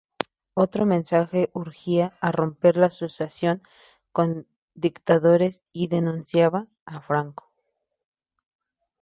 Otro mensaje urgía a romper la asociación con dictadores y denunciaba a Franco.